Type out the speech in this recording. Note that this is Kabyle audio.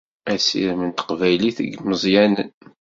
Asirem n teqbaylit deg imeẓyanen.